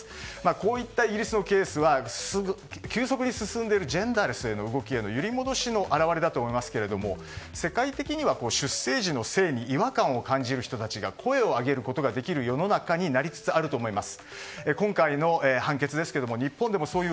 こういったイギリスのケースは急速に進んでいるジェンダーレスへの動きへの揺り戻しの表れだと思いますけれども世界的には出生時の性に違和感を感じる人たちが声を上げることができる世の中になりつつあると思います。